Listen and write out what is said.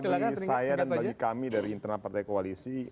bagi saya dan bagi kami dari internal partai koalisi